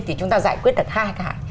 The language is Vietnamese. thì chúng ta giải quyết được hai cái